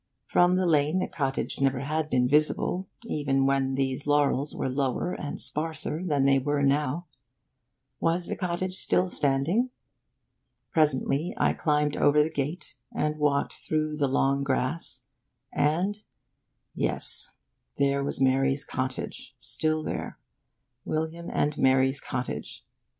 From the lane the cottage never had been visible, even when these laurels were lower and sparser than they were now. Was the cottage still standing? Presently, I climbed over the gate, and walked through the long grass, and yes, there was Mary's cottage; still there; William's and Mary's cottage.